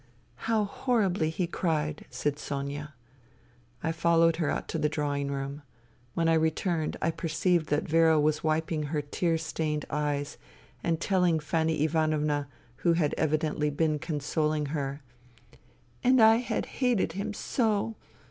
" How horribly he cried," said Sonia. I followed her out into the drawing room. When I returned I perceived that Vera was wiping her tear stained eyes and telling Fanny Ivanovna who had evidently been consoHng her :*' And I had hated him so.